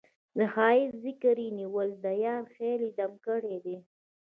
د ښــــــــایست ذکر یې نیولی د یار خیال یې دم ګړی دی